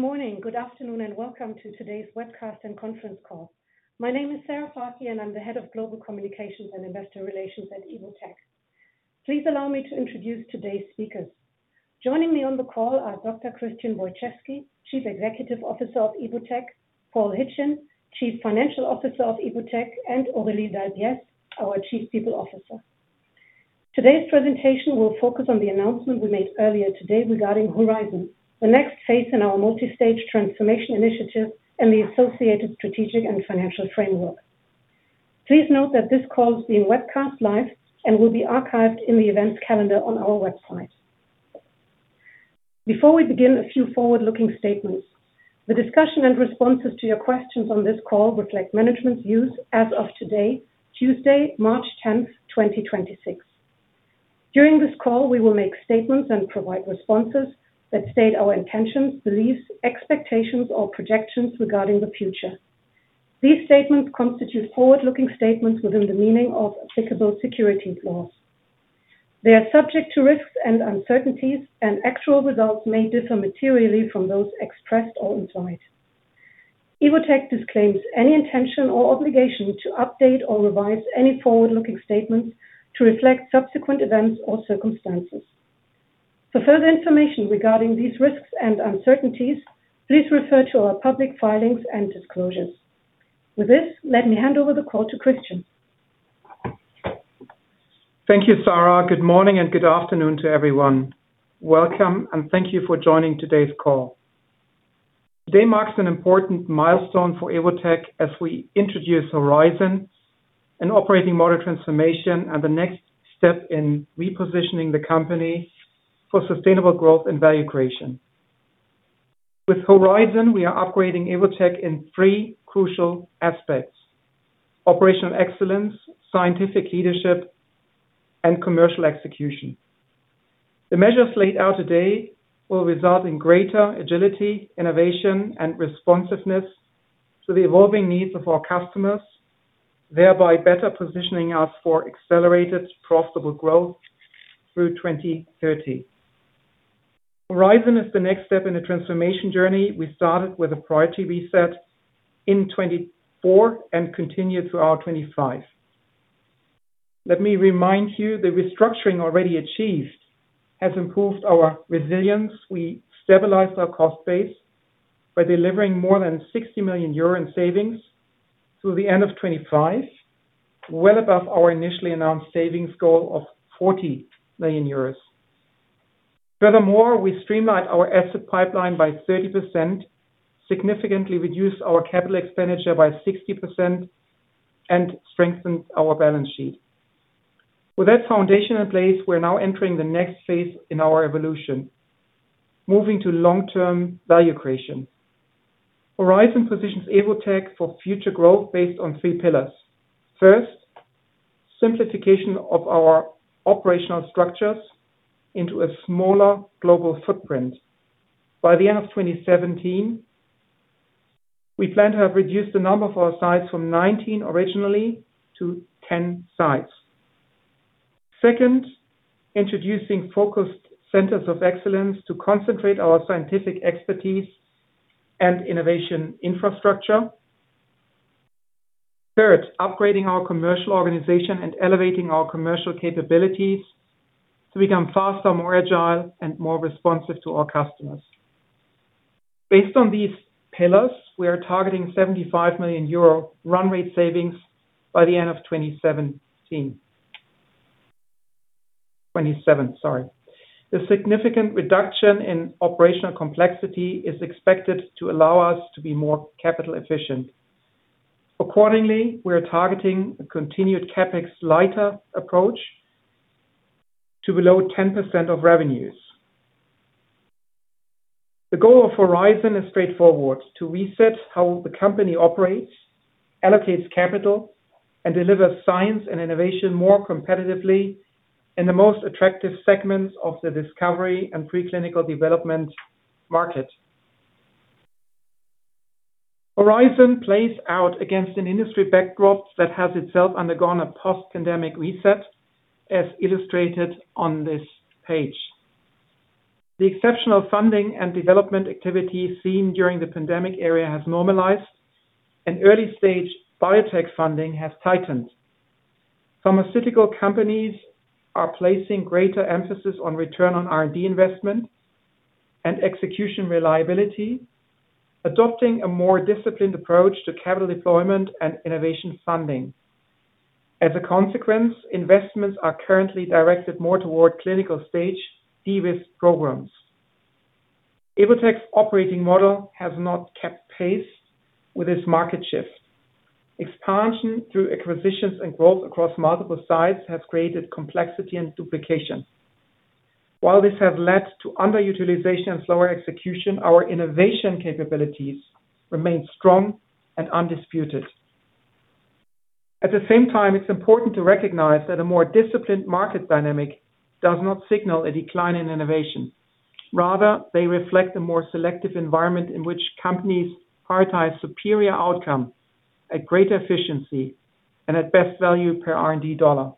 Good morning, good afternoon, and welcome to today's webcast and conference call. My name is Gabriele Hansen, and I'm the head of Global Communications and Investor Relations at Evotec. Please allow me to introduce today's speakers. Joining me on the call are Dr. Christian Wojczewski, Chief Executive Officer of Evotec, Paul Hitchin, Chief Financial Officer of Evotec, and Aurélie Dalbiez, our Chief People Officer. Today's presentation will focus on the announcement we made earlier today regarding Horizon, the next phase in our multi-stage transformation initiative and the associated strategic and financial framework. Please note that this call is being webcast live and will be archived in the events calendar on our website. Before we begin, a few forward-looking statements. The discussion and responses to your questions on this call reflect management views as of today, Tuesday, March tenth, twenty twenty-six. During this call, we will make statements and provide responses that state our intentions, beliefs, expectations, or projections regarding the future. These statements constitute forward-looking statements within the meaning of applicable securities laws. They are subject to risks and uncertainties, and actual results may differ materially from those expressed or implied. Evotec disclaims any intention or obligation to update or revise any forward-looking statements to reflect subsequent events or circumstances. For further information regarding these risks and uncertainties, please refer to our public filings and disclosures. With this, let me hand over the call to Christian. Thank you, Gabriele Hansen. Good morning and good afternoon to everyone. Welcome and thank you for joining today's call. Today marks an important milestone for Evotec as we introduce Horizon, an operating model transformation and the next step in repositioning the company for sustainable growth and value creation. With Horizon, we are upgrading Evotec in three crucial aspects, operational excellence, scientific leadership, and commercial execution. The measures laid out today will result in greater agility, innovation, and responsiveness to the evolving needs of our customers, thereby better positioning us for accelerated profitable growth through 2030. Horizon is the next step in the transformation journey we started with a priority reset in 2024 and continue throughout 2025. Let me remind you, the restructuring already achieved has improved our resilience. We stabilized our cost base by delivering more than 60 million euro in savings through the end of 2025, well above our initially announced savings goal of 40 million euros. Furthermore, we streamlined our asset pipeline by 30%, significantly reduced our capital expenditure by 60%, and strengthened our balance sheet. With that foundation in place, we're now entering the next phase in our evolution, moving to long-term value creation. Horizon positions Evotec for future growth based on three pillars. First, simplification of our operational structures into a smaller global footprint. By the end of 2017, we plan to have reduced the number of our sites from 19 originally to 10 sites. Second, introducing focused centers of excellence to concentrate our scientific expertise and innovation infrastructure. Third, upgrading our commercial organization and elevating our commercial capabilities to become faster, more agile, and more responsive to our customers. Based on these pillars, we are targeting 75 million euro run rate savings by the end of 2027. The significant reduction in operational complexity is expected to allow us to be more capital efficient. Accordingly, we are targeting a continued CapEx-lighter approach to below 10% of revenues. The goal of Horizon is straightforward, to reset how the company operates, allocates capital, and delivers science and innovation more competitively in the most attractive segments of the discovery and preclinical development market. Horizon plays out against an industry backdrop that has itself undergone a post-pandemic reset, as illustrated on this page. The exceptional funding and development activity seen during the pandemic era has normalized and early-stage biotech funding has tightened. Pharmaceutical companies are placing greater emphasis on return on R&D investment and execution reliability, adopting a more disciplined approach to capital deployment and innovation funding. As a consequence, investments are currently directed more toward clinical-stage de-risk programs. Evotec's operating model has not kept pace with this market shift. Expansion through acquisitions and growth across multiple sites has created complexity and duplication. While this has led to underutilization and slower execution, our innovation capabilities remain strong and undisputed. At the same time, it's important to recognize that a more disciplined market dynamic does not signal a decline in innovation. Rather, they reflect a more selective environment in which companies prioritize superior outcome at greater efficiency and at best value per R&D dollar.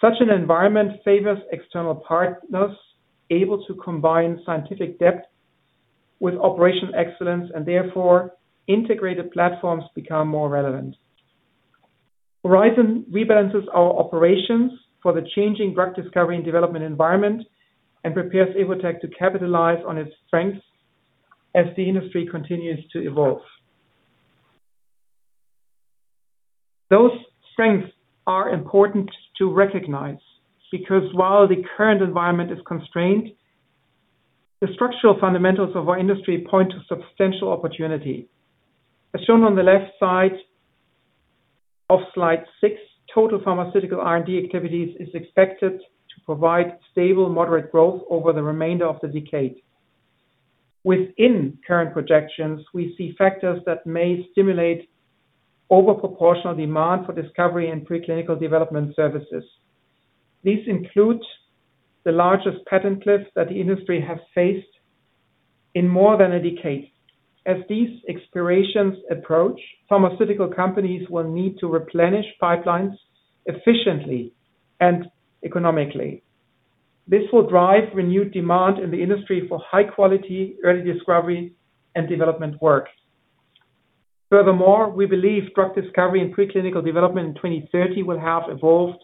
Such an environment favors external partners able to combine scientific depth with operational excellence and therefore integrated platforms become more relevant. Horizon rebalances our operations for the changing drug discovery and development environment and prepares Evotec to capitalize on its strengths as the industry continues to evolve. Those strengths are important to recognize because while the current environment is constrained, the structural fundamentals of our industry point to substantial opportunity. As shown on the left side of slide 6, total pharmaceutical R&D activities is expected to provide stable, moderate growth over the remainder of the decade. Within current projections, we see factors that may stimulate over proportional demand for discovery and preclinical development services. These include the largest patent cliff that the industry has faced in more than a decade. As these expirations approach, pharmaceutical companies will need to replenish pipelines efficiently and economically. This will drive renewed demand in the industry for high quality early discovery and development work. Furthermore, we believe drug discovery and preclinical development in 2030 will have evolved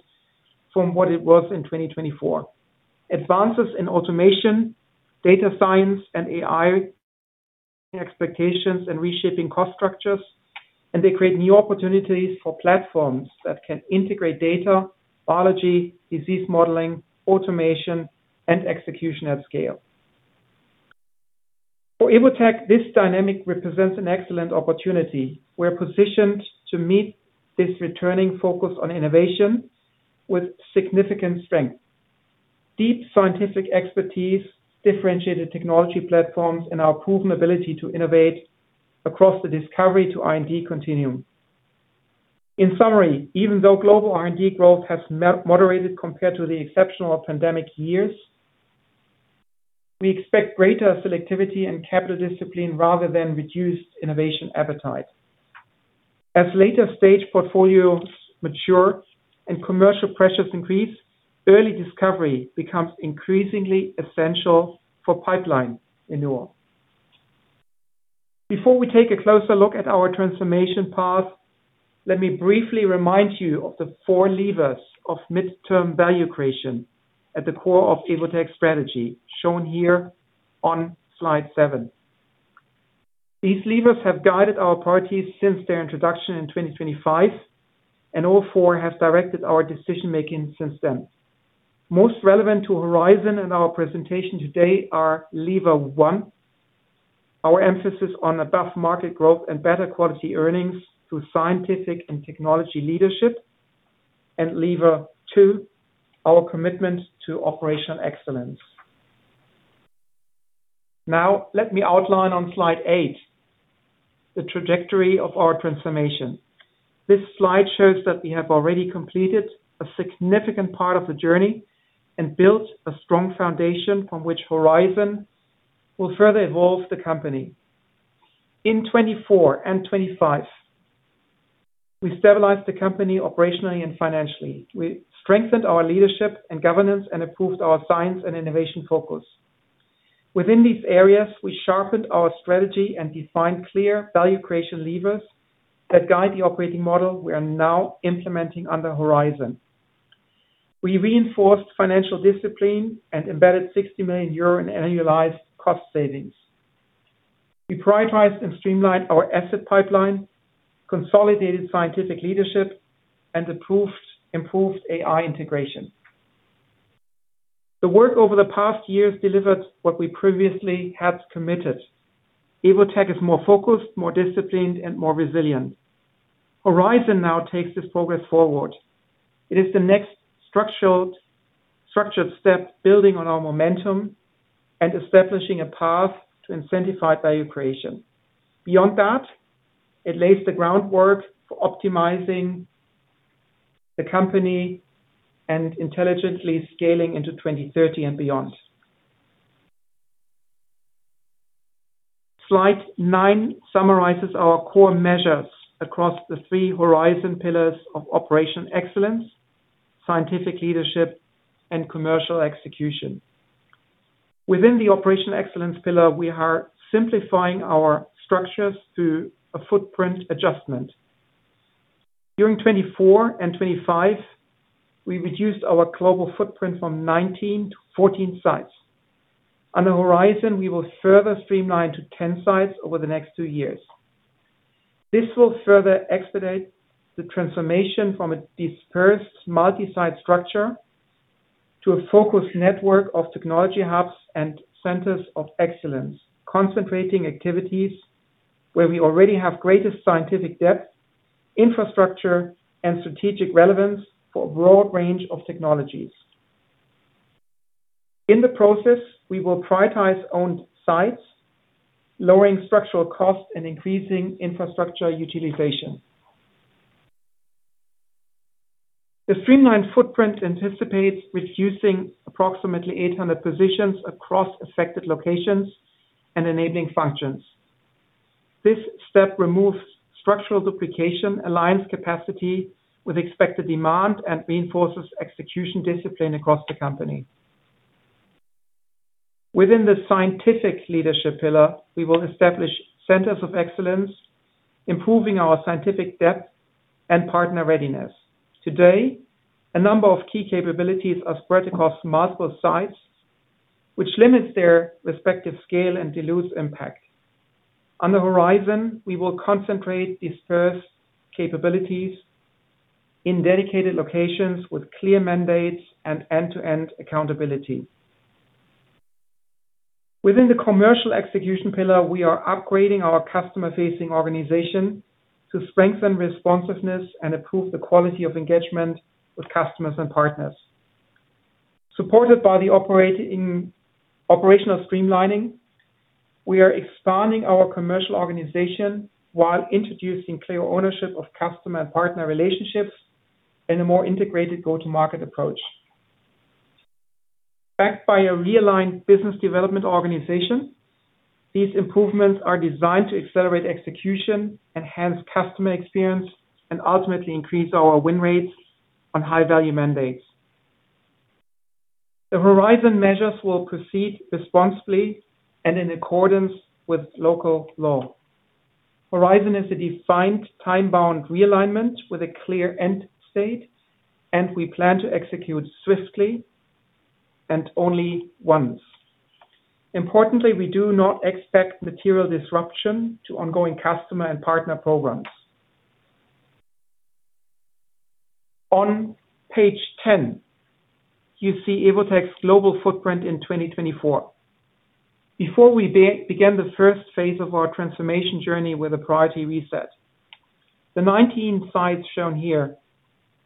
from what it was in 2024. Advances in automation, data science, and AI are reshaping cost structures, and they create new opportunities for platforms that can integrate data, biology, disease modeling, automation, and execution at scale. For Evotec, this dynamic represents an excellent opportunity. We're positioned to meet this returning focus on innovation with significant strength, deep scientific expertise, differentiated technology platforms, and our proven ability to innovate across the discovery to R&D continuum. In summary, even though global R&D growth has moderated compared to the exceptional pandemic years, we expect greater selectivity and capital discipline rather than reduced innovation appetite. As later stage portfolios mature and commercial pressures increase, early discovery becomes increasingly essential for pipeline renewal. Before we take a closer look at our transformation path, let me briefly remind you of the four levers of midterm value creation at the core of Evotec strategy shown here on slide seven. These levers have guided our priorities since their introduction in 2025, and all 4 have directed our decision-making since then. Most relevant to Horizon and our presentation today are lever 1, our emphasis on above market growth and better quality earnings through scientific and technology leadership and lever 2, our commitment to operational excellence. Now let me outline on slide 8 the trajectory of our transformation. This slide shows that we have already completed a significant part of the journey and built a strong foundation from which Horizon will further evolve the company. In 2024 and 2025, we stabilized the company operationally and financially. We strengthened our leadership and governance and improved our science and innovation focus. Within these areas, we sharpened our strategy and defined clear value creation levers that guide the operating model we are now implementing under Horizon. We reinforced financial discipline and embedded 60 million euro in annualized cost savings. We prioritized and streamlined our asset pipeline, consolidated scientific leadership and approved improved AI integration. The work over the past years delivered what we previously had committed. Evotec is more focused, more disciplined and more resilient. Horizon now takes this progress forward. It is the next structural, structured step, building on our momentum and establishing a path to incentivized value creation. Beyond that, it lays the groundwork for optimizing the company and intelligently scaling into 2030 and beyond. Slide 9 summarizes our core measures across the three Horizon pillars of operational excellence, scientific leadership, and commercial execution. Within the operational excellence pillar, we are simplifying our structures through a footprint adjustment. During 2024 and 2025, we reduced our global footprint from 19 to 14 sites. Under Horizon, we will further streamline to 10 sites over the next 2 years. This will further expedite the transformation from a dispersed multi-site structure to a focused network of technology hubs and centers of excellence, concentrating activities where we already have greater scientific depth, infrastructure and strategic relevance for a broad range of technologies. In the process, we will prioritize owned sites, lowering structural costs and increasing infrastructure utilization. The streamlined footprint anticipates reducing approximately 800 positions across affected locations and enabling functions. This step removes structural duplication, aligns capacity with expected demand, and reinforces execution discipline across the company. Within the scientific leadership pillar, we will establish centers of excellence, improving our scientific depth and partner readiness. Today, a number of key capabilities are spread across multiple sites, which limits their respective scale and dilutes impact. On the horizon, we will concentrate dispersed capabilities in dedicated locations with clear mandates and end-to-end accountability. Within the commercial execution pillar, we are upgrading our customer-facing organization to strengthen responsiveness and improve the quality of engagement with customers and partners. Supported by the operational streamlining, we are expanding our commercial organization while introducing clear ownership of customer and partner relationships and a more integrated go-to-market approach. Backed by a realigned business development organization, these improvements are designed to accelerate execution, enhance customer experience, and ultimately increase our win rates on high-value mandates. The Horizon measures will proceed responsibly and in accordance with local law. Horizon is a defined time-bound realignment with a clear end state, and we plan to execute swiftly and only once. Importantly, we do not expect material disruption to ongoing customer and partner programs. On page 10, you see Evotec's global footprint in 2024. Before we begin the first phase of our transformation journey with a priority reset. The 19 sites shown here,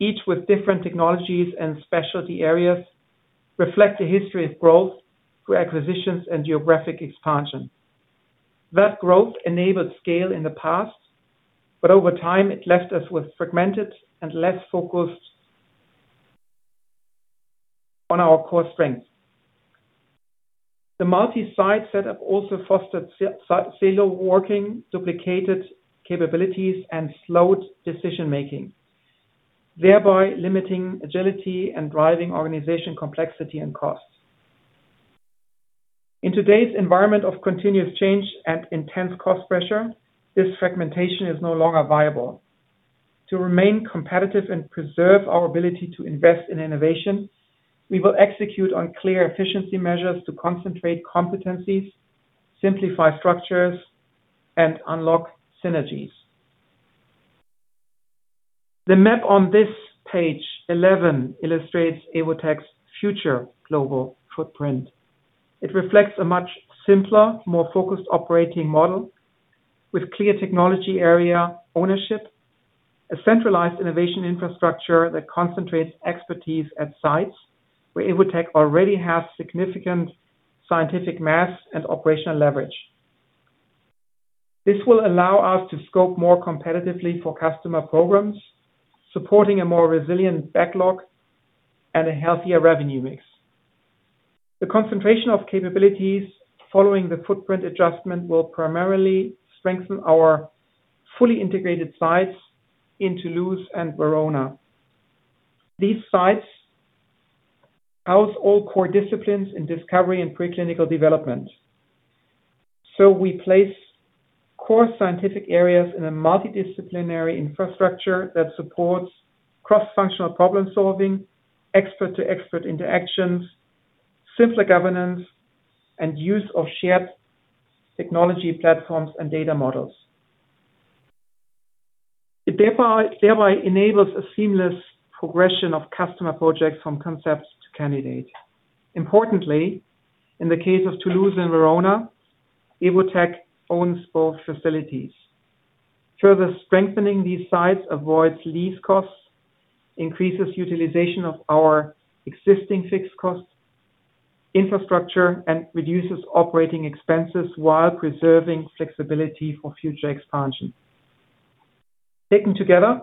each with different technologies and specialty areas, reflect a history of growth through acquisitions and geographic expansion. That growth enabled scale in the past, but over time, it left us with fragmented and less focused on our core strengths. The multi-site setup also fostered silo working, duplicated capabilities, and slowed decision-making, thereby limiting agility and driving organization complexity and costs. In today's environment of continuous change and intense cost pressure, this fragmentation is no longer viable. To remain competitive and preserve our ability to invest in innovation, we will execute on clear efficiency measures to concentrate competencies, simplify structures, and unlock synergies. The map on this page 11 illustrates Evotec's future global footprint. It reflects a much simpler, more focused operating model with clear technology area ownership, a centralized innovation infrastructure that concentrates expertise at sites where Evotec already has significant scientific mass and operational leverage. This will allow us to scope more competitively for customer programs, supporting a more resilient backlog and a healthier revenue mix. The concentration of capabilities following the footprint adjustment will primarily strengthen our fully integrated sites in Toulouse and Verona. These sites house all core disciplines in discovery and preclinical development. We place core scientific areas in a multidisciplinary infrastructure that supports cross-functional problem-solving, expert-to-expert interactions, simpler governance, and use of shared technology platforms and data models. It thereby enables a seamless progression of customer projects from concepts to candidate. Importantly, in the case of Toulouse and Verona, Evotec owns both facilities. Further strengthening these sites avoids lease costs, increases utilization of our existing fixed costs, infrastructure, and reduces operating expenses while preserving flexibility for future expansion. Taken together,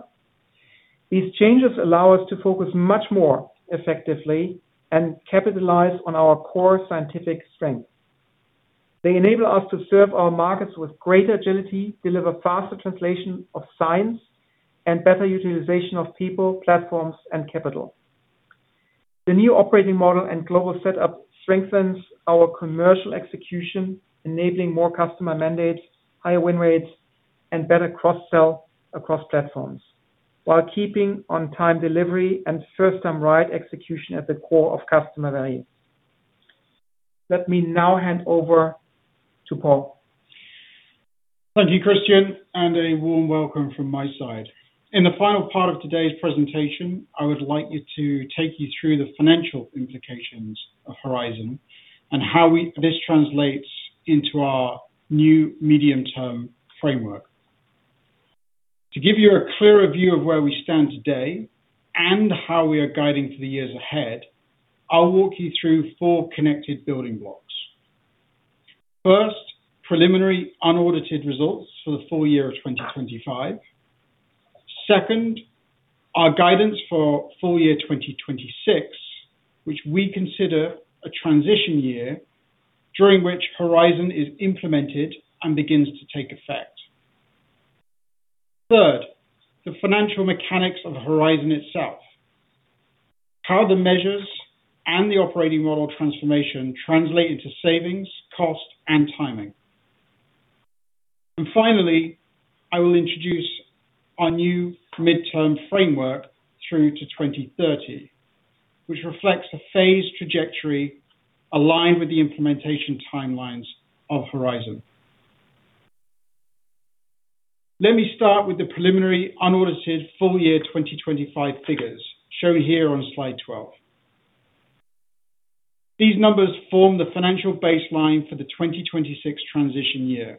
these changes allow us to focus much more effectively and capitalize on our core scientific strength. They enable us to serve our markets with greater agility, deliver faster translation of science, and better utilization of people, platforms, and capital. The new operating model and global setup strengthens our commercial execution, enabling more customer mandates, higher win rates, and better cross-sell across platforms, while keeping on-time delivery and first-time right execution at the core of customer value. Let me now hand over to Paul. Thank you, Christian, and a warm welcome from my side. In the final part of today's presentation, I would like to take you through the financial implications of Horizon and how this translates into our new medium-term framework. To give you a clearer view of where we stand today and how we are guiding for the years ahead, I'll walk you through four connected building blocks. First, preliminary unaudited results for the full year of 2025. Second, our guidance for full year 2026, which we consider a transition year during which Horizon is implemented and begins to take effect. Third, the financial mechanics of Horizon itself. How the measures and the operating model transformation translate into savings, cost, and timing. Finally, I will introduce our new medium-term framework through to 2030, which reflects a phased trajectory aligned with the implementation timelines of Horizon. Let me start with the preliminary unaudited full year 2025 figures shown here on slide 12. These numbers form the financial baseline for the 2026 transition year.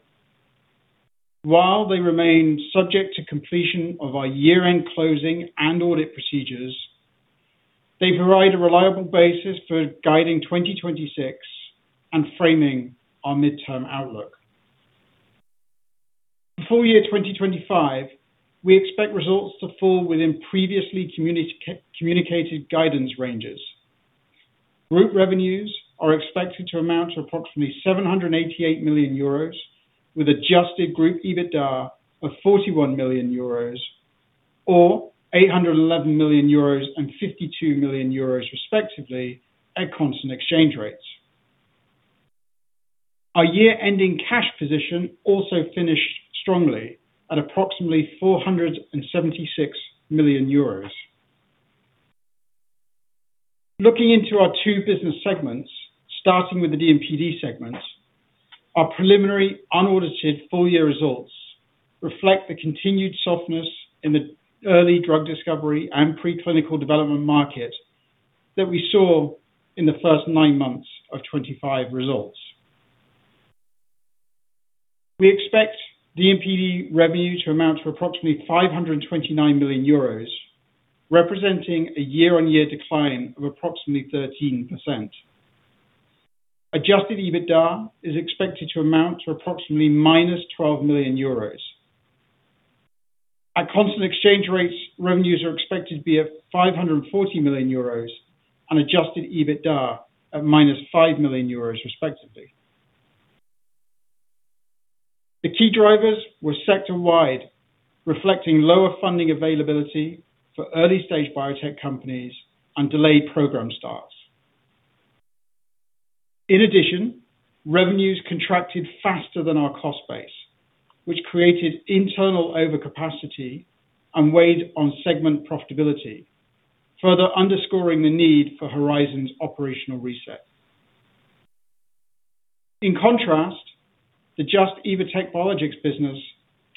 While they remain subject to completion of our year-end closing and audit procedures, they provide a reliable basis for guiding 2026 and framing our midterm outlook. For full year 2025, we expect results to fall within previously communicated guidance ranges. Group revenues are expected to amount to approximately 788 million euros, with adjusted group EBITDA of 41 million euros or 811 million euros and 52 million euros respectively at constant exchange rates. Our year-ending cash position also finished strongly at approximately EUR 476 million. Looking into our two business segments, starting with the DMPD segment, our preliminary unaudited full-year results reflect the continued softness in the early drug discovery and preclinical development market that we saw in the first nine months of 2025 results. We expect DMPD revenue to amount to approximately 529 million euros, representing a year-on-year decline of approximately 13%. Adjusted EBITDA is expected to amount to approximately -12 million euros. At constant exchange rates, revenues are expected to be at 540 million euros and adjusted EBITDA at -5 million euros respectively. The key drivers were sector-wide, reflecting lower funding availability for early-stage biotech companies and delayed program starts. In addition, revenues contracted faster than our cost base, which created internal overcapacity and weighed on segment profitability, further underscoring the need for Horizon's operational reset. In contrast, the Just Evotec Biologics business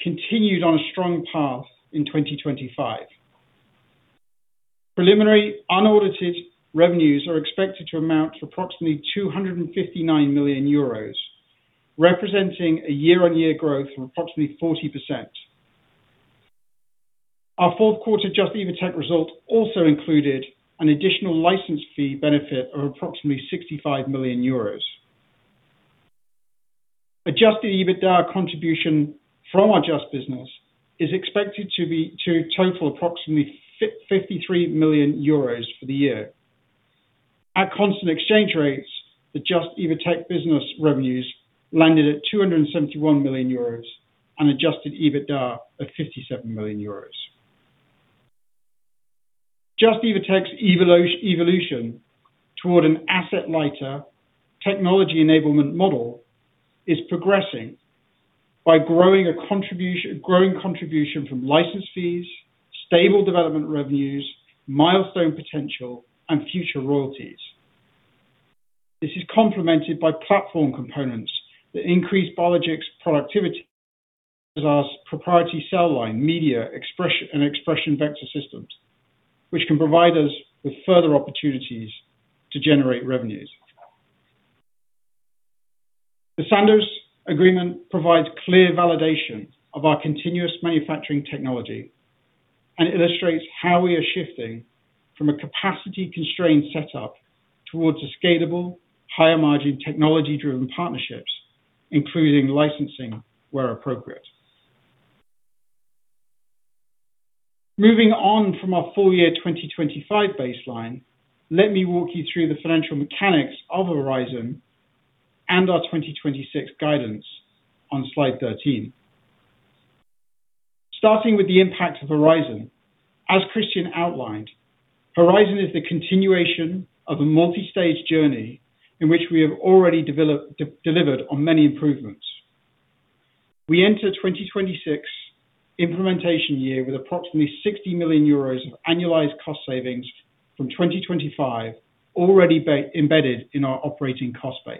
continued on a strong path in 2025. Preliminary unaudited revenues are expected to amount to approximately 259 million euros, representing a year-on-year growth of approximately 40%. Our fourth quarter Just Evotec results also included an additional license fee benefit of approximately 65 million euros. Adjusted EBITDA contribution from our Just business is expected to total approximately 53 million euros for the year. At constant exchange rates, the Just Evotec business revenues landed at 271 million euros and adjusted EBITDA at 57 million euros. Just Evotec's evolution toward an asset lighter technology enablement model is progressing by a growing contribution from license fees, stable development revenues, milestone potential, and future royalties. This is complemented by platform components that increase Biologics productivity, such as our proprietary cell line, media, and expression vector systems, which can provide us with further opportunities to generate revenues. The Sandoz agreement provides clear validation of our continuous manufacturing technology and illustrates how we are shifting from a capacity-constrained setup towards a scalable, higher-margin, technology-driven partnerships, including licensing where appropriate. Moving on from our full year 2025 baseline, let me walk you through the financial mechanics of Horizon and our 2026 guidance on slide 13. Starting with the impact of Horizon. As Christian outlined, Horizon is the continuation of a multi-stage journey in which we have already delivered on many improvements. We enter 2026 implementation year with approximately 60 million euros of annualized cost savings from 2025 already embedded in our operating cost base.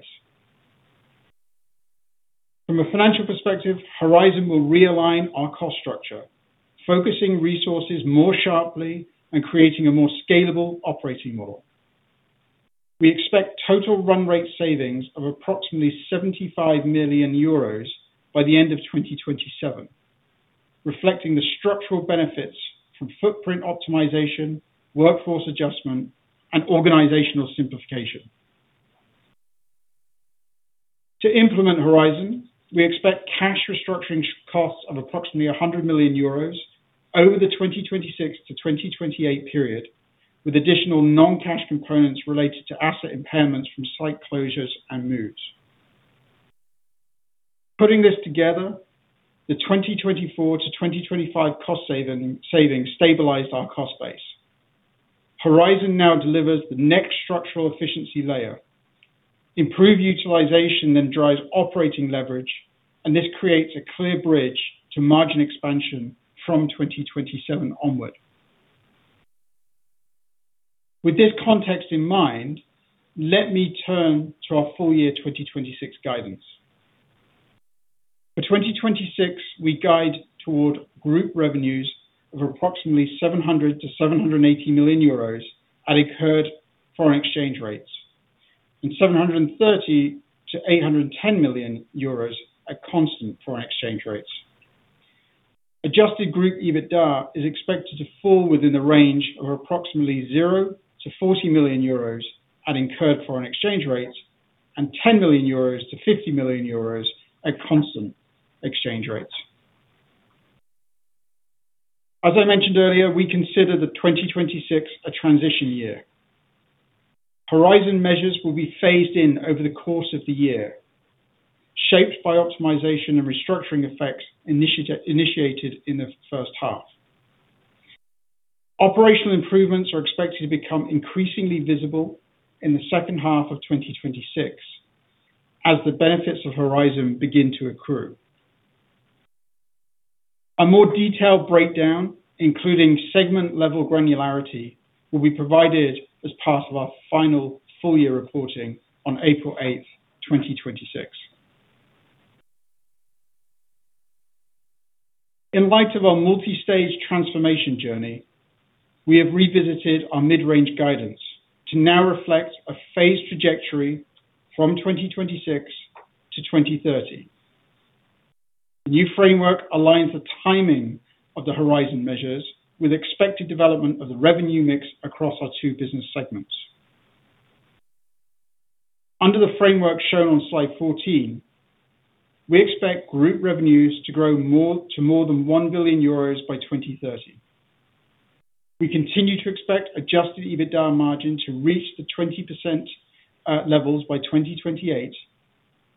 From a financial perspective, Horizon will realign our cost structure, focusing resources more sharply and creating a more scalable operating model. We expect total run rate savings of approximately 75 million euros by the end of 2027, reflecting the structural benefits from footprint optimization, workforce adjustment, and organizational simplification. To implement Horizon, we expect cash restructuring costs of approximately 100 million euros over the 2026-2028 period, with additional non-cash components related to asset impairments from site closures and moves. Putting this together, the 2024-2025 cost savings stabilize our cost base. Horizon now delivers the next structural efficiency layer. Improved utilization then drives operating leverage, and this creates a clear bridge to margin expansion from 2027 onward. With this context in mind, let me turn to our full year 2026 guidance. For 2026, we guide toward group revenues of approximately 700-780 million euros at incurred foreign exchange rates and 730-810 million euros at constant foreign exchange rates. Adjusted group EBITDA is expected to fall within the range of approximately 0-40 million euros at incurred foreign exchange rates and 10-50 million euros at constant exchange rates. We consider the 2026 a transition year. Horizon measures will be phased in over the course of the year, shaped by optimization and restructuring effects initiated in the first half. Operational improvements are expected to become increasingly visible in the second half of 2026 as the benefits of Horizon begin to accrue. A more detailed breakdown, including segment-level granularity, will be provided as part of our final full year reporting on April 8, 2026. In light of our multi-stage transformation journey, we have revisited our mid-range guidance to now reflect a phased trajectory from 2026 to 2030. The new framework aligns the timing of the Horizon measures with expected development of the revenue mix across our two business segments. Under the framework shown on slide 14, we expect group revenues to grow to more than 1 billion euros by 2030. We continue to expect adjusted EBITDA margin to reach the 20% levels by 2028,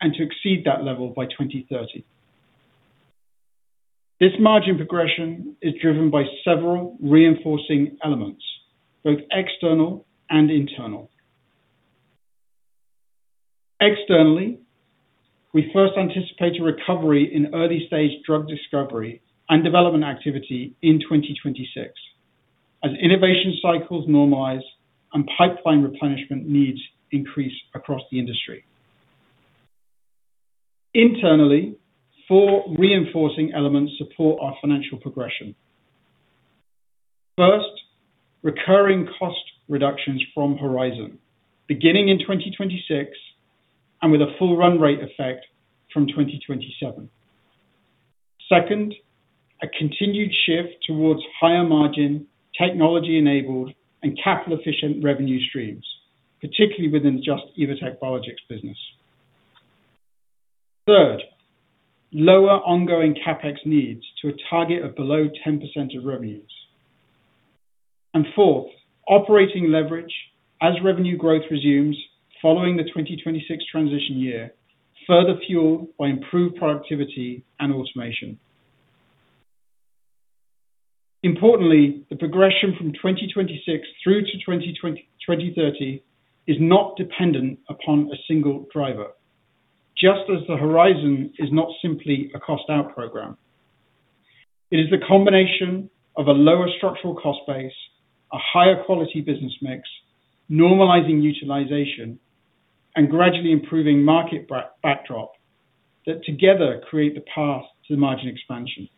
and to exceed that level by 2030. This margin progression is driven by several reinforcing elements, both external and internal. Externally, we first anticipate a recovery in early-stage drug discovery and development activity in 2026 as innovation cycles normalize and pipeline replenishment needs increase across the industry. Internally, four reinforcing elements support our financial progression. First, recurring cost reductions from Horizon, beginning in 2026 and with a full run rate effect from 2027. Second, a continued shift towards higher margin technology-enabled and capital-efficient revenue streams, particularly within the Just Evotec Biologics business. Third, lower ongoing CapEx needs to a target of below 10% of revenues. Fourth, operating leverage as revenue growth resumes following the 2026 transition year, further fueled by improved productivity and automation. Importantly, the progression from 2026 through to 2030 is not dependent upon a single driver. Just as the Horizon is not simply a cost out program. It is the combination of a lower structural cost base, a higher quality business mix, normalizing utilization, and gradually improving market backdrop that together create the path to margin expansion.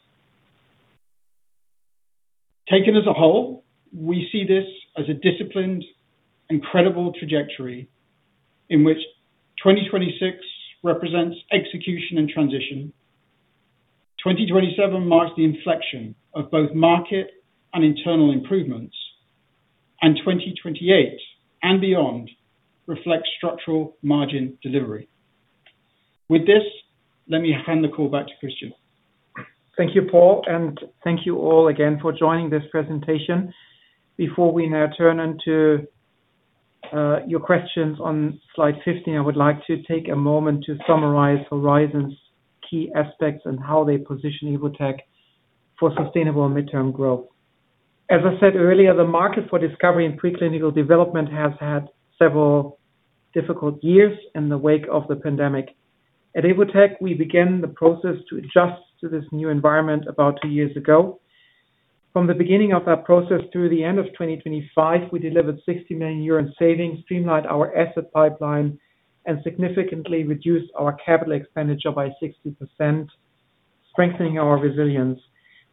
Taken as a whole, we see this as a disciplined, incredible trajectory in which 2026 represents execution and transition. 2027 marks the inflection of both market and internal improvements. 2028 and beyond reflects structural margin delivery. With this, let me hand the call back to Christian. Thank you, Paul, and thank you all again for joining this presentation. Before we now turn into, your questions on slide 15, I would like to take a moment to summarize Horizon's key aspects and how they position Evotec for sustainable and midterm growth. As I said earlier, the market for discovery and preclinical development has had several difficult years in the wake of the pandemic. At Evotec we began the process to adjust to this new environment about two years ago. From the beginning of that process through the end of 2025, we delivered 60 million euro in savings, streamlined our asset pipeline, and significantly reduced our capital expenditure by 60%, strengthening our resilience.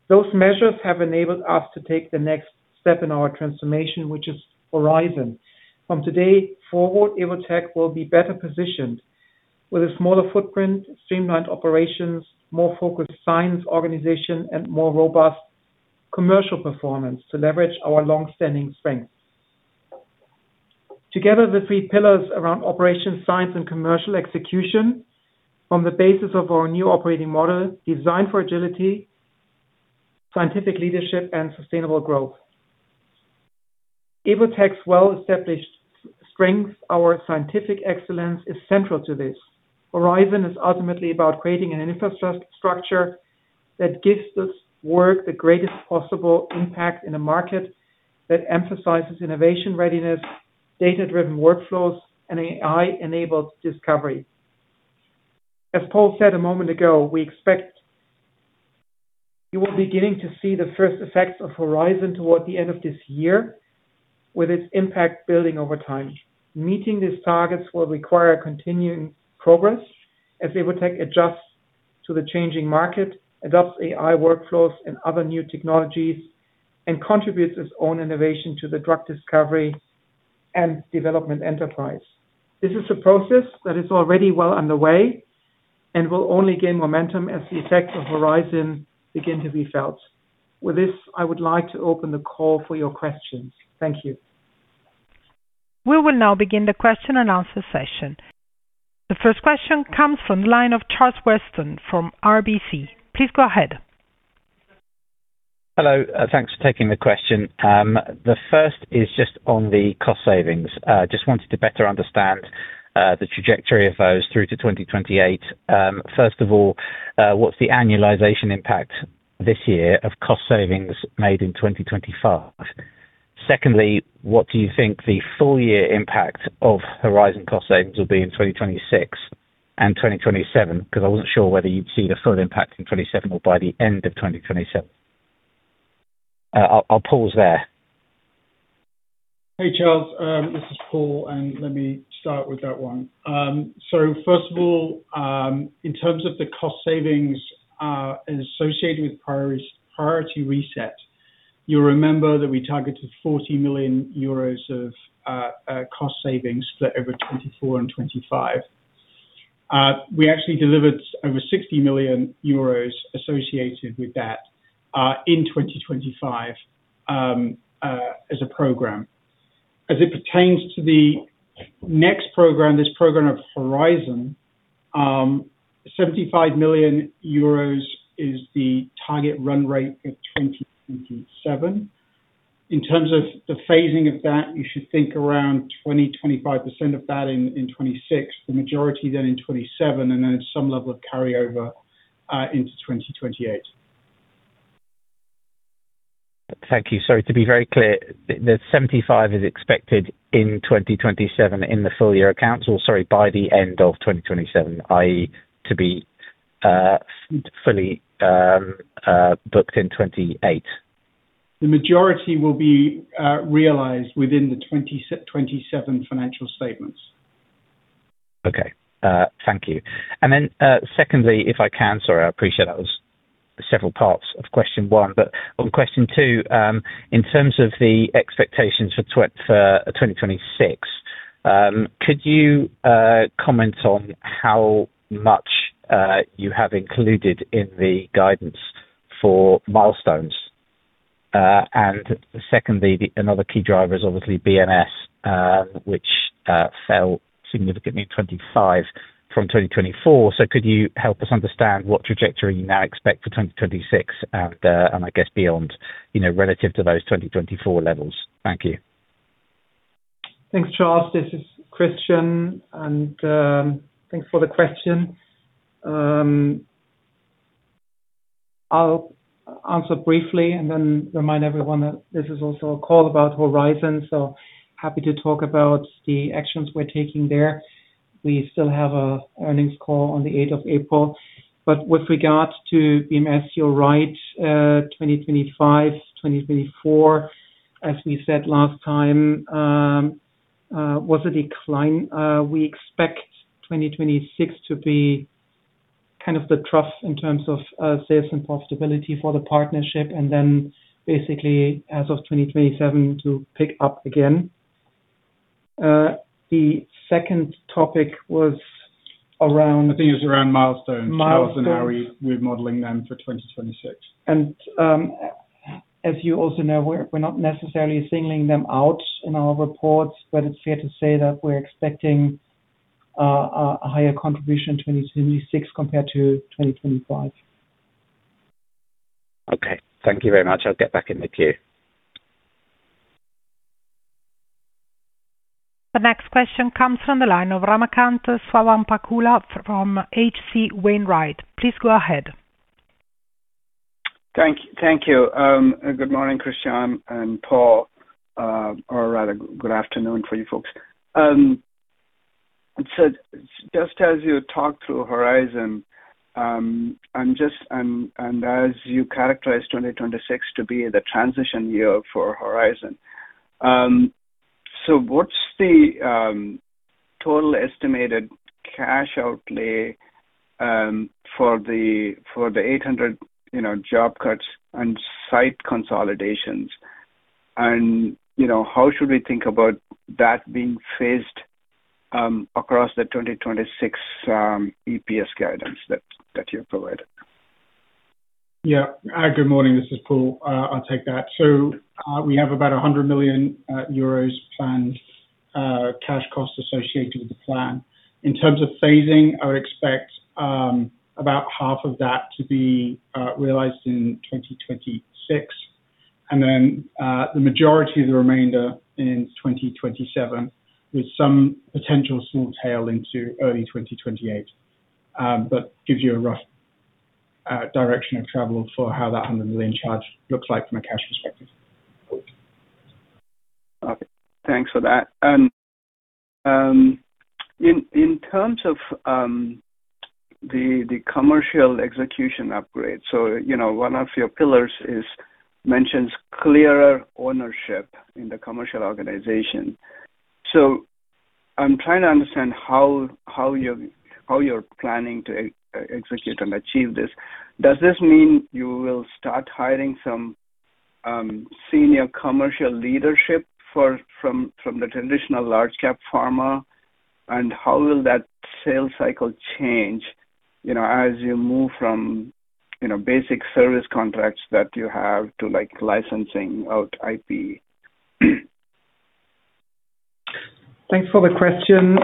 Those measures have enabled us to take the next step in our transformation, which is Horizon. From today forward, Evotec will be better positioned with a smaller footprint, streamlined operations, more focused science organization, and more robust commercial performance to leverage our long-standing strengths. Together, the three pillars around operations, science, and commercial execution form the basis of our new operating model designed for agility, scientific leadership, and sustainable growth. Evotec's well-established strength, our scientific excellence, is central to this. Horizon is ultimately about creating an infrastructure that gives this work the greatest possible impact in a market that emphasizes innovation readiness, data-driven workflows, and AI-enabled discovery. As Paul said a moment ago, we expect you will be getting to see the first effects of Horizon toward the end of this year, with its impact building over time. Meeting these targets will require continuing progress as Evotec adjusts to the changing market, adopts AI workflows and other new technologies, and contributes its own innovation to the drug discovery and development enterprise. This is a process that is already well underway and will only gain momentum as the effects of Horizon begin to be felt. With this, I would like to open the call for your questions. Thank you. We will now begin the question-and-answer session. The first question comes from the line of Charles Weston from RBC. Please go ahead. Hello. Thanks for taking the question. The first is just on the cost savings. Just wanted to better understand the trajectory of those through to 2028. First of all, what's the annualization impact this year of cost savings made in 2025? Secondly, what do you think the full year impact of Horizon cost savings will be in 2026 and 2027? Because I wasn't sure whether you'd see the full impact in 2027 or by the end of 2027. I'll pause there. Hey, Charles Weston, this is Paul Hitchin, and let me start with that one. So first of all, in terms of the cost savings associated with priority reset, you'll remember that we targeted 40 million euros of cost savings split over 2024 and 2025. We actually delivered over 60 million euros associated with that in 2025 as a program. As it pertains to the next program, this program of Horizon, 75 million euros is the target run rate in 2027. In terms of the phasing of that, you should think around 20-25% of that in 2026, the majority then in 2027, and then some level of carryover into 2028. Thank you. To be very clear, the 75 is expected in 2027 in the full year accounts or sorry, by the end of 2027, i.e., to be fully booked in 2028? The majority will be realized within the 2027 financial statements. Okay. Thank you. Secondly, if I can. Sorry, I appreciate that was several parts of question one. On question two, in terms of the expectations for 2026, could you comment on how much you have included in the guidance for milestones? Secondly, another key driver is obviously BMS, which fell significantly in 2025 from 2024. Could you help us understand what trajectory you now expect for 2026 and I guess beyond, you know, relative to those 2024 levels? Thank you. Thanks, Charles. This is Christian. Thanks for the question. I'll answer briefly and then remind everyone that this is also a call about Horizon, so happy to talk about the actions we're taking there. We still have an earnings call on the eighth of April. With regards to BMS, you're right. 2025, 2024, as we said last time, was a decline. We expect 2026 to be kind of the trough in terms of sales and profitability for the partnership and then basically as of 2027 to pick up again. The second topic was around I think it was around milestones. Milestones how we're modeling them for 2026. as you also know, we're not necessarily singling them out in our reports, but it's fair to say that we're expecting a higher contribution in 2026 compared to 2025. Okay. Thank you very much. I'll get back in the queue. The next question comes from the line of Ramakanth Swayampakula from H.C. Wainwright. Please go ahead. Thank you. Good morning, Christian and Paul, or rather good afternoon for you folks. Just as you talk through Horizon, and just as you characterize 2026 to be the transition year for Horizon, what's the total estimated cash outlay for the 800, you know, job cuts and site consolidations? You know, how should we think about that being phased across the 2026 EPS guidance that you provided? Yeah. Good morning. This is Paul. I'll take that. We have about 100 million euros planned cash costs associated with the plan. In terms of phasing, I would expect about half of that to be realized in 2026 and then the majority of the remainder in 2027, with some potential small tail into early 2028. Gives you a rough direction of travel for how that 100 million charge looks like from a cash perspective. Paul. Okay. Thanks for that. In terms of the commercial execution upgrade, you know, one of your pillars is mentioning clearer ownership in the commercial organization. I'm trying to understand how you're planning to execute and achieve this. Does this mean you will start hiring some senior commercial leadership from the traditional large cap pharma? How will that sales cycle change, you know, as you move from basic service contracts that you have to, like, licensing out IP? Thanks for the question.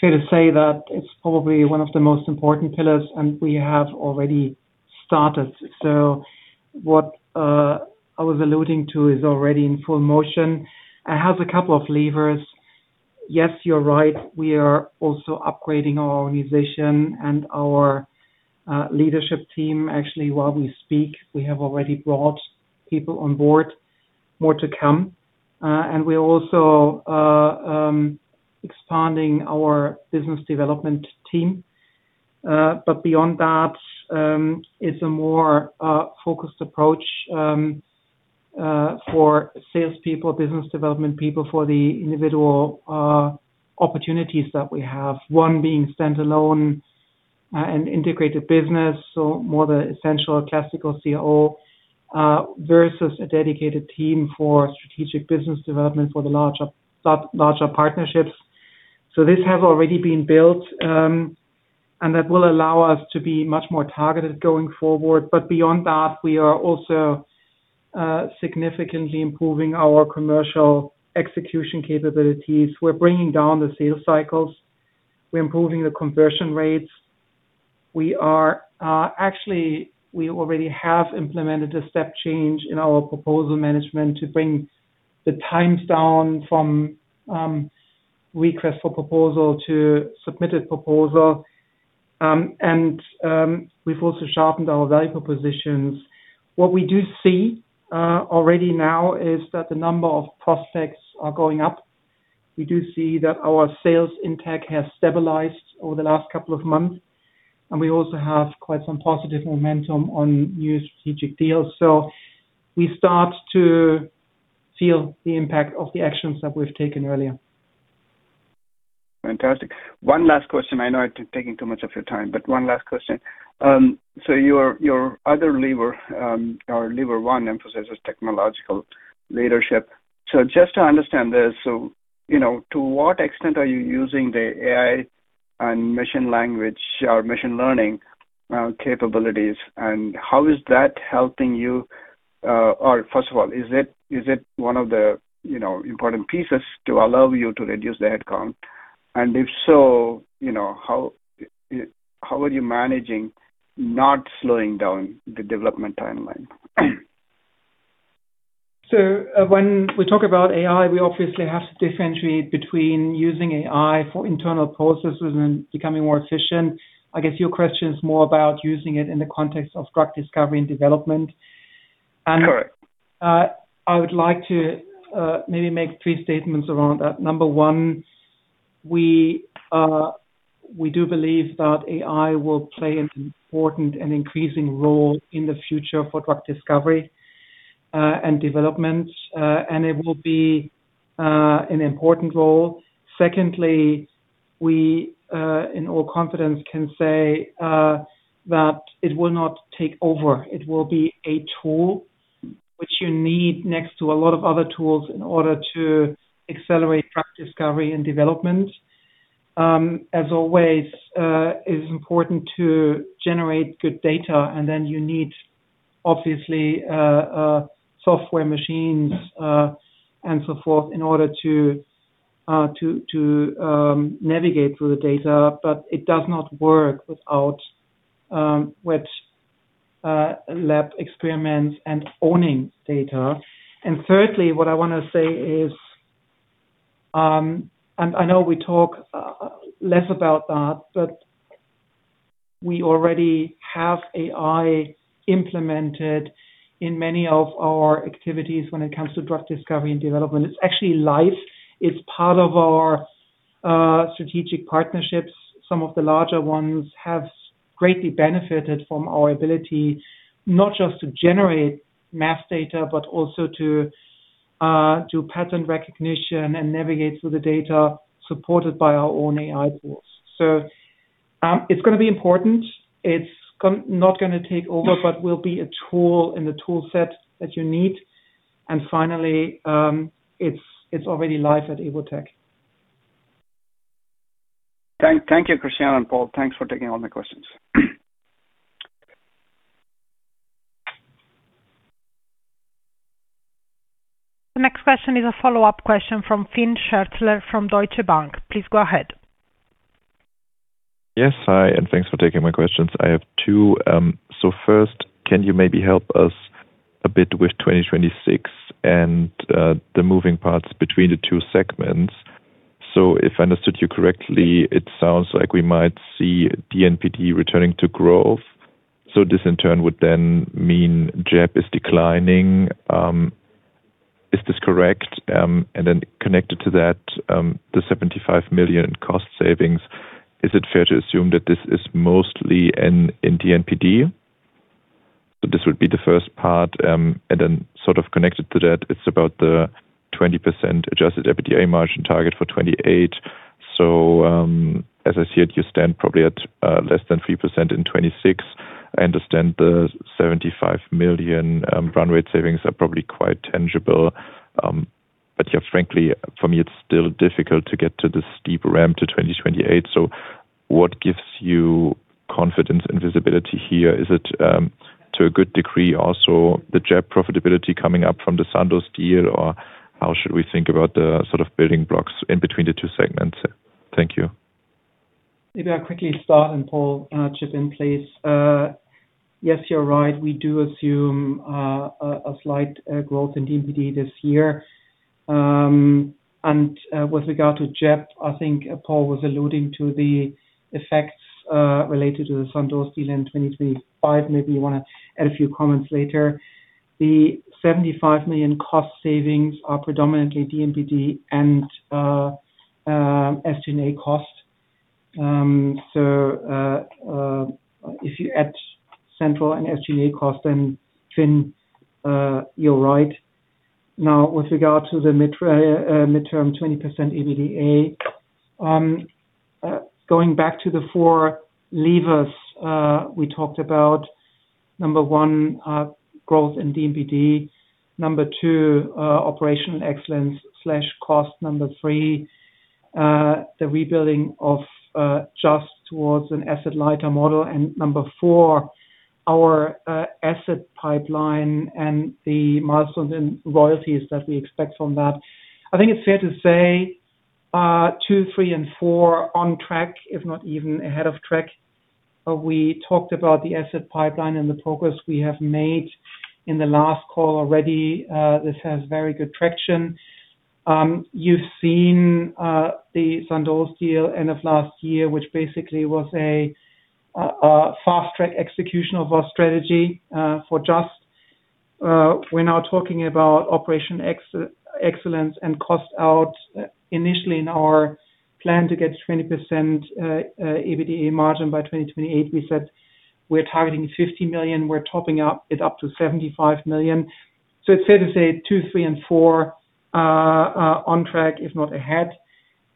Fair to say that it's probably one of the most important pillars, and we have already started. What I was alluding to is already in full motion. It has a couple of levers. Yes, you're right, we are also upgrading our organization and our leadership team. Actually, while we speak, we have already brought people on board, more to come. We're also expanding our business development team. Beyond that, it's a more focused approach for salespeople, business development people for the individual opportunities that we have. One being standalone, and integrated business, so more the essential classical CRO versus a dedicated team for strategic business development for the larger partnerships. This has already been built, and that will allow us to be much more targeted going forward. Beyond that, we are also significantly improving our commercial execution capabilities. We're bringing down the sales cycles. We're improving the conversion rates. We actually already have implemented a step change in our proposal management to bring the times down from request for proposal to submitted proposal. We've also sharpened our value propositions. What we do see already now is that the number of prospects are going up. We do see that our sales intake has stabilized over the last couple of months, and we also have quite some positive momentum on new strategic deals. We start to feel the impact of the actions that we've taken earlier. Fantastic. One last question. I know I'm taking too much of your time, but one last question. Your other lever, or lever one, emphasizes technological leadership. Just to understand this, you know, to what extent are you using the AI and machine language or machine learning capabilities, and how is that helping you? Or first of all, is it one of the, you know, important pieces to allow you to reduce the headcount? And if so, you know, how are you managing not slowing down the development timeline? When we talk about AI, we obviously have to differentiate between using AI for internal processes and becoming more efficient. I guess your question is more about using it in the context of drug discovery and development. Sure. I would like to maybe make three statements around that. Number one, we do believe that AI will play an important and increasing role in the future for drug discovery and development, and it will be an important role. Secondly, we in all confidence can say that it will not take over. It will be a tool which you need next to a lot of other tools in order to accelerate drug discovery and development. As always, it is important to generate good data, and then you need obviously software machines and so forth in order to navigate through the data. It does not work without wet lab experiments and owning data. Thirdly, what I wanna say is, and I know we talk less about that, but we already have AI implemented in many of our activities when it comes to drug discovery and development. It's actually live. It's part of our strategic partnerships. Some of the larger ones have greatly benefited from our ability not just to generate mass data, but also to do pattern recognition and navigate through the data supported by our own AI tools. It's gonna be important. It's not gonna take over, but will be a tool in the tool set that you need. Finally, it's already live at Evotec. Thank you, Christiane and Paul. Thanks for taking all my questions. The next question is a follow-up question from Falko Friedrichs from Deutsche Bank. Please go ahead. Yes. Hi, and thanks for taking my questions. I have two. First, can you maybe help us a bit with 2026 and the moving parts between the two segments? If I understood you correctly, it sounds like we might see DMPD returning to growth, so this in turn would then mean JEB is declining. Is this correct? Connected to that, the 75 million cost savings, is it fair to assume that this is mostly in DMPD? This would be the first part. Then sort of connected to that, it's about the 20% adjusted EBITDA margin target for 2028. As I see it, you stand probably at less than 3% in 2026. I understand the 75 million run rate savings are probably quite tangible. Yeah, frankly, for me it's still difficult to get to the steep ramp to 2028. What gives you confidence and visibility here? Is it, to a good degree also the JEB profitability coming up from the Sandoz deal? Or how should we think about the sort of building blocks in between the two segments? Thank you. Maybe I'll quickly start and Paul, chip in please. Yes, you're right. We do assume a slight growth in DMPD this year. With regard to JEB, I think Paul was alluding to the effects related to the Sandoz deal in 2025. Maybe you wanna add a few comments later. The 75 million cost savings are predominantly DMPD and SG&A cost. If you add central and SG&A cost then Finn, you're right. Now with regard to the midterm 20% EBITDA, going back to the four levers we talked about number one, growth in DMPD. Number two, operational excellence slash cost. Number three, the rebuilding of Just towards an asset lighter model. Number four, our asset pipeline and the milestones and royalties that we expect from that. I think it's fair to say, 2, 3 and 4 are on track, if not even ahead of track. We talked about the asset pipeline and the progress we have made in the last call already. This has very good traction. You've seen the Sandoz deal end of last year, which basically was a fast track execution of our strategy for Just. We're now talking about operational excellence and cost out initially in our plan to get 20% EBITDA margin by 2028. We said we're targeting 50 million. We're topping it up to 75 million. It's fair to say 2, 3 and 4 are on track, if not ahead.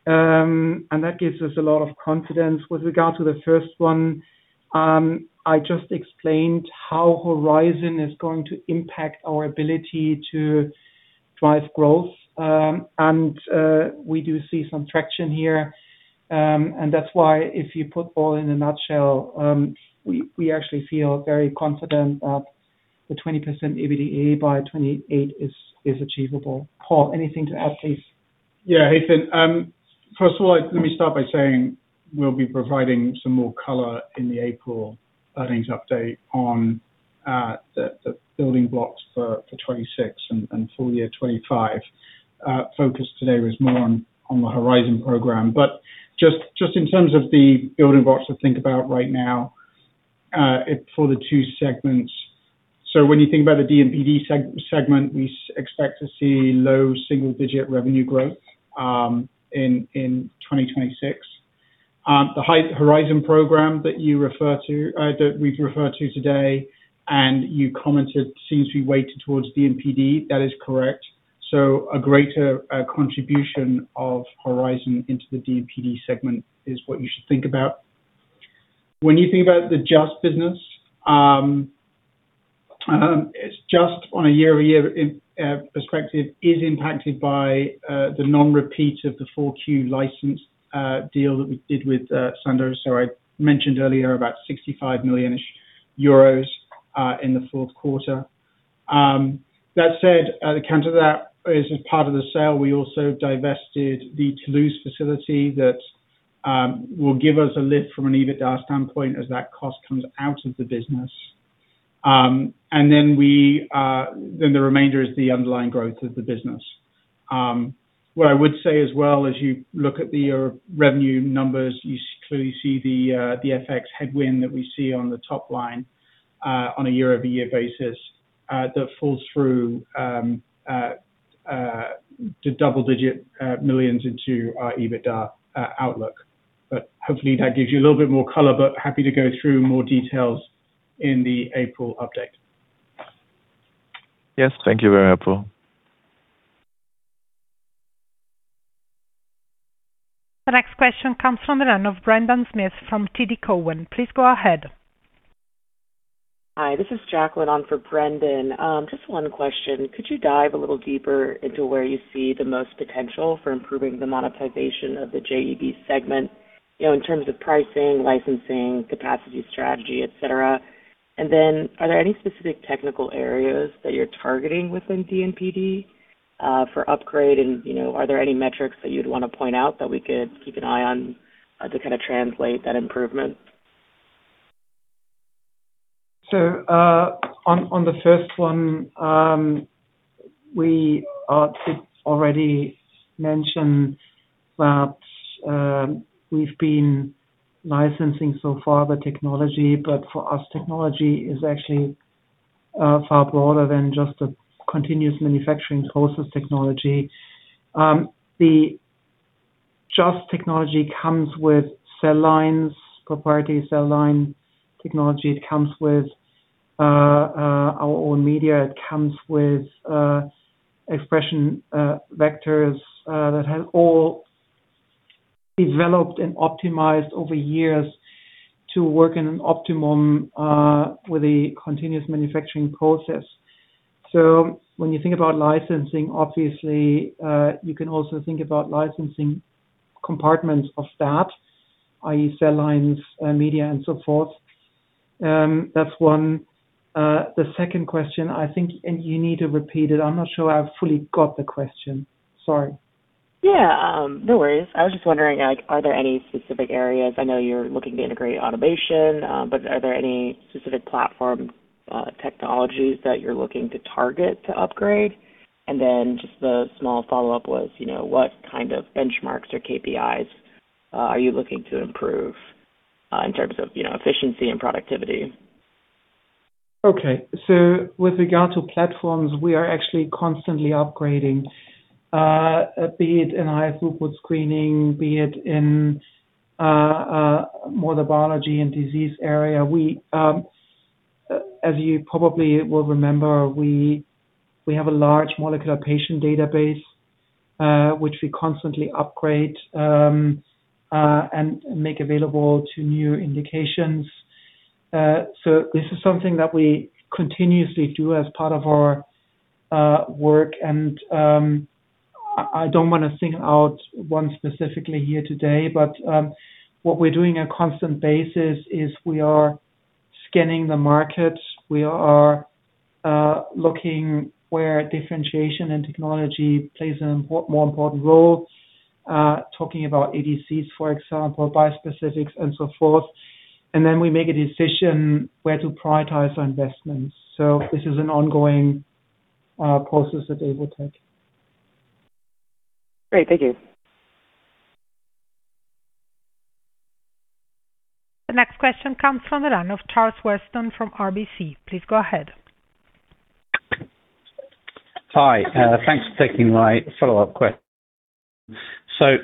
That gives us a lot of confidence. With regard to the first one, I just explained how Horizon is going to impact our ability to drive growth. We do see some traction here. That's why if you put all in a nutshell, we actually feel very confident that the 20% EBITDA by 2028 is achievable. Paul, anything to add, please? Yeah. Hey, Falko. First of all, let me start by saying we'll be providing some more color in the April earnings update on the building blocks for 2026 and full year 2025. Focus today was more on the Horizon program. Just in terms of the building blocks to think about right now, for the two segments. When you think about the DMPD segment, we expect to see low single digit revenue growth in 2026. The Horizon program that you refer to, that we've referred to today and you commented seems to be weighted towards DMPD. That is correct. A greater contribution of Horizon into the DMPD segment is what you should think about. When you think about the Just business, Just on a year-over-year perspective is impacted by the non-repeat of the Q4 license deal that we did with Sandoz. I mentioned earlier about 65 million euros-ish in the fourth quarter. That said, the counter to that is as part of the sale we also divested the Toulouse facility that will give us a lift from an EBITDA standpoint as that cost comes out of the business. The remainder is the underlying growth of the business. What I would say as well as you look at the revenue numbers, you clearly see the FX headwind that we see on the top line on a year-over-year basis, that falls through to double-digit millions into our EBITDA outlook. Hopefully, that gives you a little bit more color, but happy to go through more details in the April update. Yes. Thank you. Very helpful. The next question comes from the line of Brendan Smith from TD Cowen. Please go ahead. Hi, this is Jacqueline on for Brendan. Just one question. Could you dive a little deeper into where you see the most potential for improving the monetization of the JEB segment, you know, in terms of pricing, licensing, capacity, strategy, et cetera? Are there any specific technical areas that you're targeting within DMPD for upgrade? You know, are there any metrics that you'd wanna point out that we could keep an eye on to kinda translate that improvement? On the first one, it's already mentioned that we've been licensing so far the technology. For us, technology is actually far broader than just a continuous manufacturing process technology. The Just technology comes with cell lines, proprietary cell line technology. It comes with our own media. It comes with expression vectors that have all developed and optimized over years to work in an optimum with a continuous manufacturing process. When you think about licensing, obviously you can also think about licensing compartments of that, i.e., cell lines, media and so forth. That's one. The second question, I think, and you need to repeat it. I'm not sure I've fully got the question. Sorry. Yeah, no worries. I was just wondering, like, are there any specific areas, I know you're looking to integrate automation, but are there any specific platform technologies that you're looking to target to upgrade? And then just the small follow-up was, you know, what kind of benchmarks or KPIs are you looking to improve in terms of, you know, efficiency and productivity? Okay. With regard to platforms, we are actually constantly upgrading, be it in high throughput screening, be it in more the biology and disease area. We, as you probably will remember, have a large molecular patient database, which we constantly upgrade, and make available to new indications. This is something that we continuously do as part of our work. I don't wanna single out one specifically here today, but what we're doing on a constant basis is we are scanning the markets. We are looking where differentiation and technology plays more important role, talking about ADCs, for example, bispecifics and so forth. We make a decision where to prioritize our investments. This is an ongoing process at Evotec. Great. Thank you. The next question comes from the line of Charles Weston from RBC. Please go ahead. Hi. Thanks for taking my follow-up.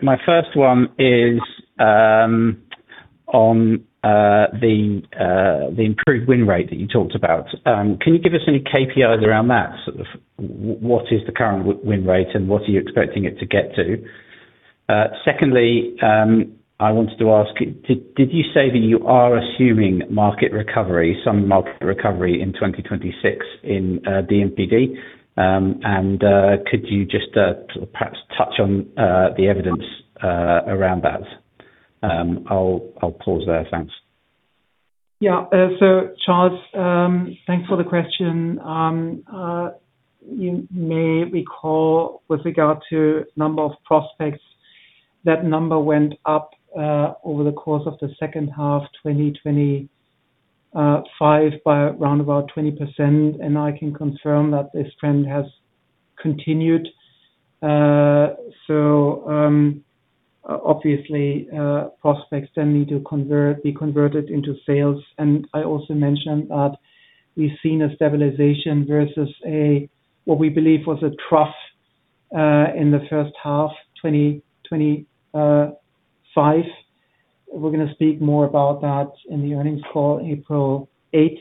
My first one is on the improved win rate that you talked about. Can you give us any KPIs around that? Sort of what is the current win rate, and what are you expecting it to get to? Secondly, I wanted to ask, did you say that you are assuming market recovery, some market recovery in 2026 in DMPD? Could you just sort of perhaps touch on the evidence around that? I'll pause there. Thanks. Yeah. Charles, thanks for the question. You may recall with regard to number of prospects, that number went up over the course of the second half, 2025 by around about 20%, and I can confirm that this trend has continued. Obviously, prospects then need to be converted into sales. I also mentioned that we've seen a stabilization versus a, what we believe was a trough in the first half, 2025. We're gonna speak more about that in the earnings call April 8.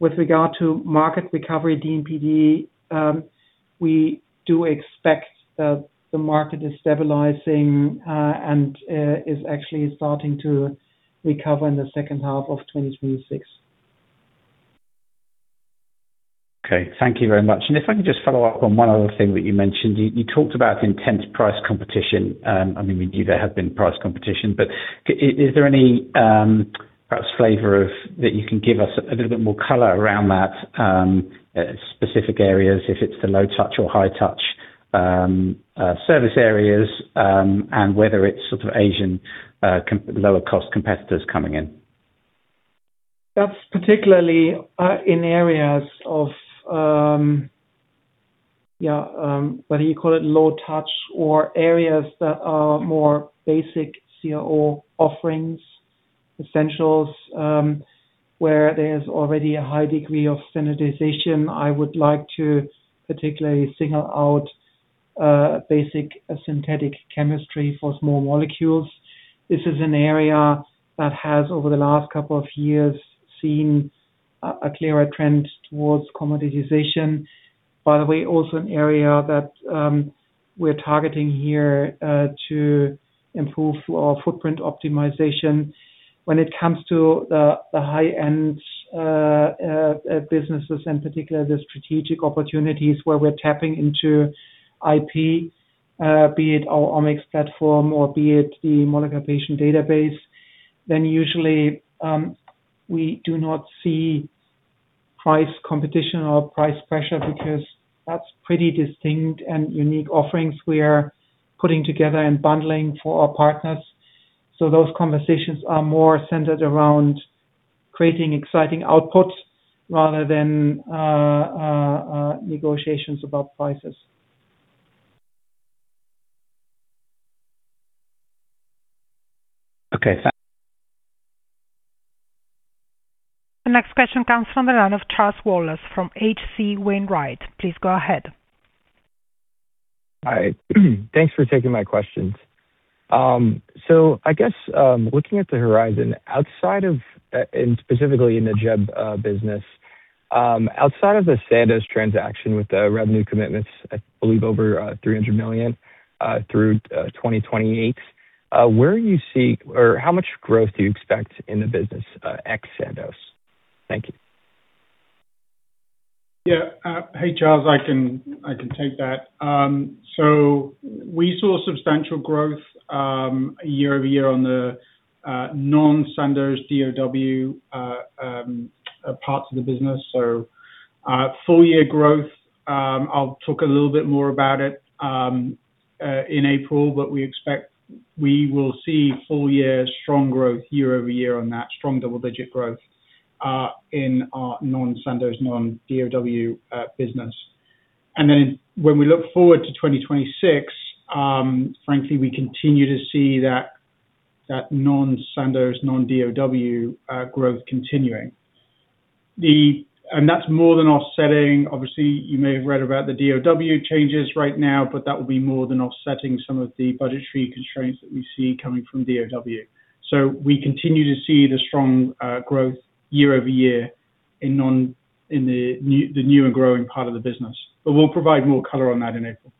With regard to market recovery, DMPD, we do expect that the market is stabilizing and is actually starting to recover in the second half of 2026. Okay. Thank you very much. If I can just follow up on one other thing that you mentioned. You talked about intense price competition. I mean, we knew there had been price competition, but is there any, perhaps flavor of, that you can give us a little bit more color around that, specific areas, if it's the low touch or high touch, service areas, and whether it's sort of Asian lower cost competitors coming in? That's particularly in areas of whether you call it low touch or areas that are more basic CRO offerings, essentials, where there's already a high degree of standardization. I would like to particularly single out basic synthetic chemistry for small molecules. This is an area that has, over the last couple of years, seen a clearer trend towards commoditization. By the way, also an area that we're targeting here to improve our footprint optimization when it comes to the high-end businesses, in particular, the strategic opportunities where we're tapping into IP, be it our Omics platform or be it the molecular patient database, then usually we do not see price competition or price pressure because that's pretty distinct and unique offerings we are putting together and bundling for our partners. Those conversations are more centered around creating exciting outputs rather than negotiations about prices. Okay. The next question comes from the line of Charles Weston from H.C. Wainwright. Please go ahead. Hi. Thanks for taking my questions. I guess, looking at the Horizon outside of and specifically in the JEB business, outside of the Sandoz transaction with the revenue commitments, I believe over 300 million through 2028, where do you see or how much growth do you expect in the business, ex Sandoz? Thank you. Yeah. Hey, Charles. I can take that. We saw substantial growth year-over-year on the non-Sandoz D&P parts of the business. Full year growth, I'll talk a little bit more about it in April, but we expect we will see full year strong growth year-over-year on that strong double-digit growth in our non-Sandoz, non-D&P business. Then when we look forward to 2026, frankly, we continue to see that non-Sandoz, non-D&P growth continuing. That's more than offsetting. Obviously, you may have read about the D&P changes right now, but that will be more than offsetting some of the budgetary constraints that we see coming from D&P. We continue to see the strong growth year-over-year in the new and growing part of the business. We'll provide more color on that in April